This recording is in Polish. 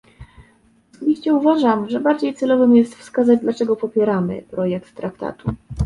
Osobiście uważam, że bardziej celowym jest wskazać, dlaczego popieramy projekt Traktatu